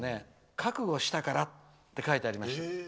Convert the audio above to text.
覚悟したからって書いてありました。